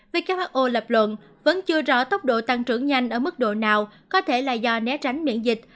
who lập luận vẫn chưa rõ tốc độ tăng trưởng nhanh ở mức độ nào có thể là do né tránh miễn dịch